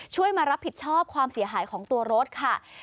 มารับผิดชอบความเสียหายของตัวรถค่ะ